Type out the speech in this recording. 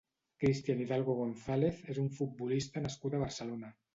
Cristian Hidalgo González és un futbolista nascut a Barcelona.